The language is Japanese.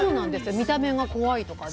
見た目が怖いとかね。